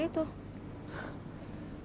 kenapa kamu bisa punya pendapat seperti itu